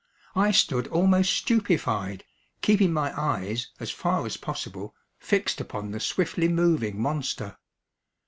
I stood almost stupefied, keeping my eyes, as far as possible, fixed upon the swiftly moving monster.